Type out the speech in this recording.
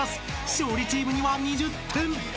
［勝利チームには２０点！］